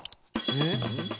えっ？